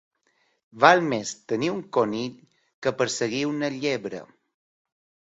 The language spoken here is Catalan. Val més tenir un conill que perseguir una llebre.